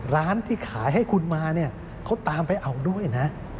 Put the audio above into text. ร้านที่ขายให้คุณมาเนี่ยเขาตามไปเอาด้วยนะ